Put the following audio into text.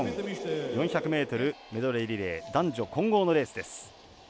ｍメドレーリレー男女混合のレースです。